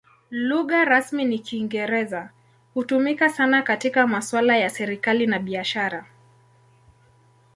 Lugha rasmi ni Kiingereza; hutumika sana katika masuala ya serikali na biashara.